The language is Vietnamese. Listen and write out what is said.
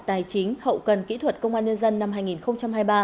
tài chính hậu cần kỹ thuật công an nhân dân năm hai nghìn hai mươi ba